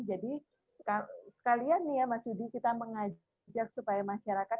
jadi sekalian nih ya mas yudi kita mengajak supaya masyarakat